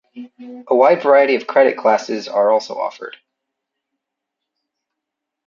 A wide variety of credit classes are also offered.